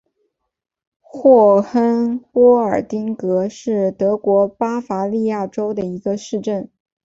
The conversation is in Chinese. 霍亨波尔丁格是德国巴伐利亚州的一个市镇。